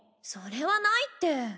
それはないって。